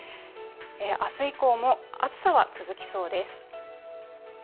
明日以降も暑さは続きそうです。